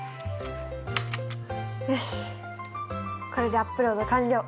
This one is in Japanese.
よしっこれでアップロード完了！